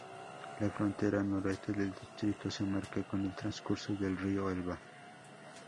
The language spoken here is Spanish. La frontera noreste del distrito se marca con el transcurso del río Elba.